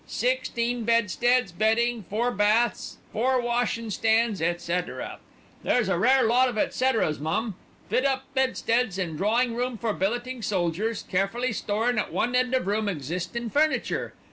"'Sixteen bedsteads, bedding, four baths, four washin' stands, etcetera.' There's a rare lot of etceteras, mum. 'Fit up bedsteads in drawin' room for billetin' soldiers, carefully storin' at one end of room existin' furniture.'